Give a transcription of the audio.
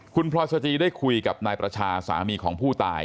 คุณพลอยสจิฤทธิศิษฐ์ได้คุยกับนายประชาสามีของผู้ตาย